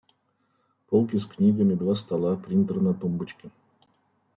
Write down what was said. Полки с книгами, два стола, принтер на тумбочке.